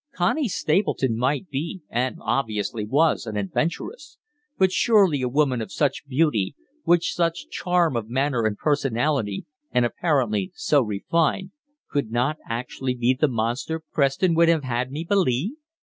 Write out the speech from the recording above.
Connie Stapleton might be, and obviously was, an adventuress, but surely a woman of such beauty, with such charm of manner and personality, and apparently so refined, could not actually be the monster Preston would have had me believe.